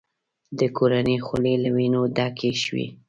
د کورنۍ خولې له وینو ډکې شوې.